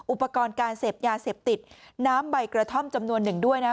อุปกรณ์การเสพยาเสพติดน้ำใบกระท่อมจำนวนหนึ่งด้วยนะ